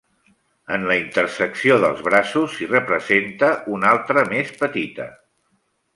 En la intersecció dels braços, s'hi representa una altra més petita.